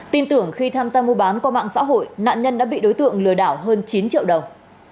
tin tưởng khi tham gia mua bán qua mạng xã hội nạn nhân đã bị đối tượng lừa đảo hơn chín triệu đồng